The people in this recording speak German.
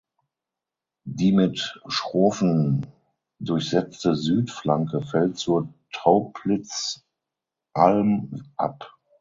Die mit Schrofen durchsetzte Südflanke fällt zur Tauplitzalm ab.